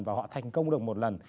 và họ thành công được một lần